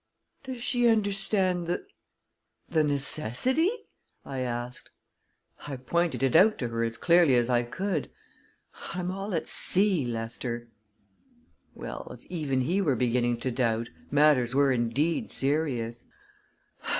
"Does she understand the the necessity?" I asked. "I pointed it out to her as clearly as I could. I'm all at sea, Lester." Well, if even he were beginning to doubt, matters were indeed serious!